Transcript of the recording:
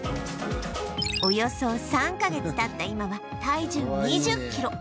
およそ３カ月経った今は体重２０キロ